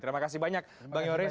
terima kasih banyak bang yoris